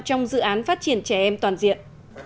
trong dự án phát triển trẻ em toàn diện